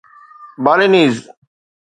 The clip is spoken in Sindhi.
بالينيز